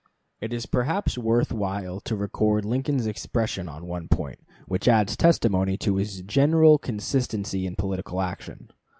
It is perhaps worth while to record Lincoln's expression on one point, which adds testimony to his general consistency in political action.